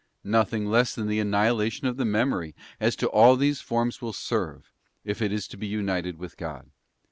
Nothing less than the annihilation of the Memory as to all these forms will serve, if it is to be united with God.